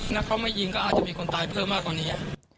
ถ้าเขาไม่ยิงก็อาจจะมีคนตายเพิ่มมากกว่านี้